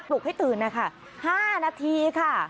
ลุกให้ตื่นนะคะ๕นาทีค่ะ